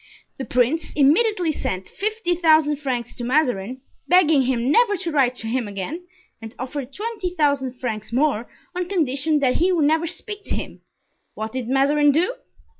"The prince immediately sent fifty thousand francs to Mazarin, begging him never to write to him again, and offered twenty thousand francs more, on condition that he would never speak to him. What did Mazarin do?"